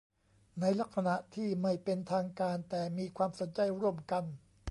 ในลักษณะที่ไม่เป็นทางการแต่มีความสนใจร่วมกัน